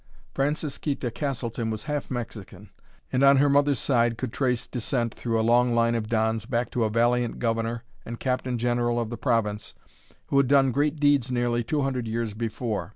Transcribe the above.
Francisquita Castleton was half Mexican, and on her mother's side could trace descent through a long line of dons back to a valiant governor and captain general of the province who had done great deeds nearly two hundred years before.